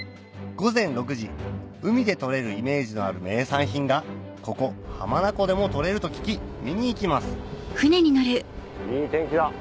海で取れるイメージのある名産品がここ浜名湖でも取れると聞き見に行きますいい天気だ